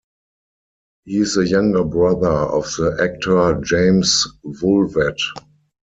He's the younger brother of actor Jaimz Woolvett.